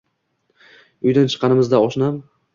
Uydan chiqqanimizda oshnam